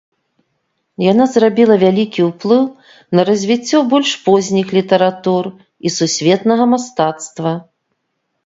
Яна зрабіла вялікі ўплыў на развіццё больш позніх літаратур і сусветнага мастацтва.